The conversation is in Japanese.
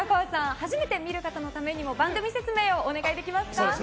初めて見る方のために番組説明をお願いできますか。